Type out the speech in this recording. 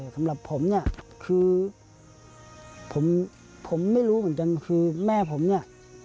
สำหรับผมเนี่ยคือผมไม่รู้เหมือนกันคือแม่ผมเนี่ย